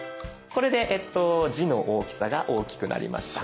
これで字の大きさが大きくなりました。